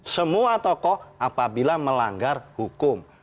semua tokoh apabila melanggar hukum